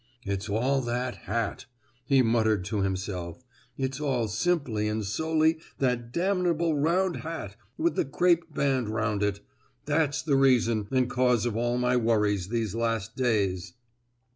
"It's all that hat!" he muttered to himself; "it's all simply and solely that damnable round hat, with the crape band round it; that's the reason and cause of all my worries these last days!"